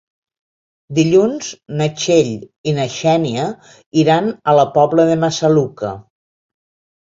Dilluns na Txell i na Xènia iran a la Pobla de Massaluca.